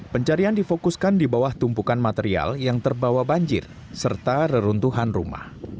pencarian difokuskan di bawah tumpukan material yang terbawa banjir serta reruntuhan rumah